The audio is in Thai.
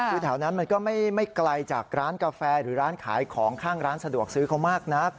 คือแถวนั้นมันก็ไม่ไกลจากร้านกาแฟหรือร้านขายของข้างร้านสะดวกซื้อเขามากนัก